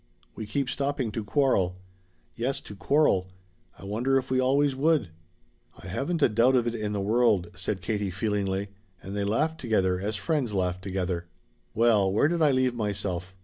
"We keep stopping to quarrel." "Yes to quarrel. I wonder if we always would." "I haven't a doubt of it in the world," said Katie feelingly, and they laughed together as friends laugh together. "Well, where did I leave myself?